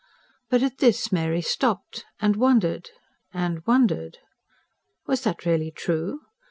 But at this Mary stopped ... and wondered ... and wondered. Was that really true?